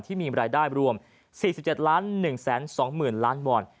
ที่มีรายได้รวม๔๗๑๒๐๐๐๐๐๐๐บอล